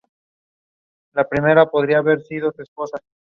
Es hija del torero Antonio Cuadra Belmonte.